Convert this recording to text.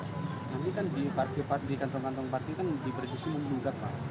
tapi kan di kantong kantong parkir kan dipergisi menggugat pak